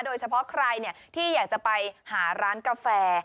โดยเฉพาะใครที่อยากจะไปหาร้านกาแฟ